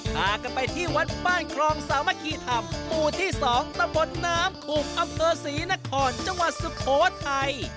พากันไปที่วัดบ้านครองสามัคคีธรรมหมู่ที่๒ตำบลน้ำขุมอำเภอศรีนครจังหวัดสุโขทัย